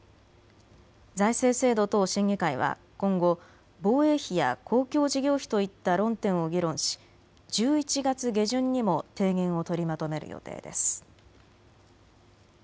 財政制度等審議会は今後、防衛費や公共事業費といった論点を議論し１１月下旬にも提言を取りまとめる予定です。